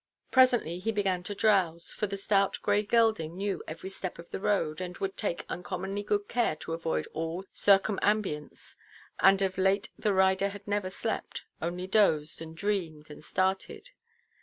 Presently he began to drowse; for the stout grey gelding knew every step of the road, and would take uncommonly good care to avoid all circumambience: and of late the rider had never slept, only dozed, and dreamed, and started.